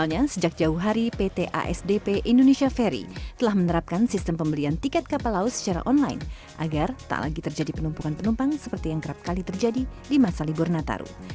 yang kerap kali terjadi di masa libur nataru